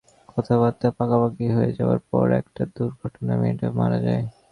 কথাবার্তা পাকাপার্কি হয়ে যাবার পর একটা দুর্ঘটনায় মেয়েটা মারা যায়।